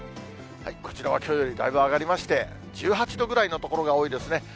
こちらはきょうよりだいぶ上がりまして、１８度ぐらいの所が多いですね。